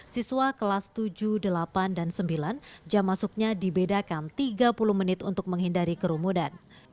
siswa kelas tujuh delapan dan sembilan jam masuknya dibedakan tiga puluh menit untuk menghindari kerumunan